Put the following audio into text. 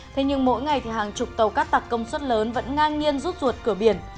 thế nhưng mỗi ngày thì hàng chục tàu cát tặc công suất lớn vẫn ngang nhiên rút ruột cửa biển